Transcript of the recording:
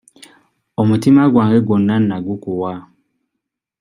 Omutima gwange gwonna nnagukuwa.